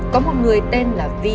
vì vật sấn